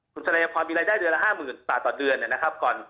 คุณทะเลพรมีรายได้เดือนละ๕๐๐๐บาทต่อเดือนนะครับ